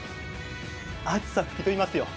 暑さ吹き飛びますよ。